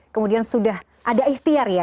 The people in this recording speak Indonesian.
kemudian sudah ada ikhtiar ya